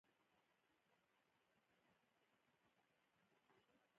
ما له دوکانه نوی ساعت واخیست.